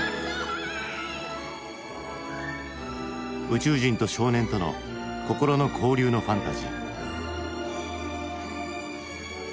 宇宙人と少年との心の交流のファンタジー。